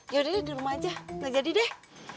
yaudah deh di rumah aja udah jadi deh